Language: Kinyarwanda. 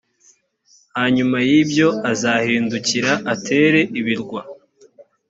hanyuma y ibyo azahindukira atere ibirwa